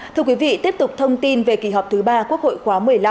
thưa quý vị tiếp tục thông tin về kỳ họp thứ ba quốc hội khóa một mươi năm